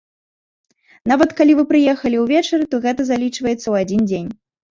Нават, калі вы прыехалі ўвечары, то гэта залічваецца ў адзін дзень.